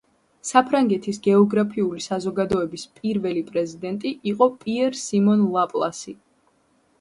საფრანგეთის გეოგრაფიული საზოგადოების პირველი პრეზიდენტი იყო პიერ სიმონ ლაპლასი.